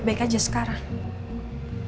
aku tak tahu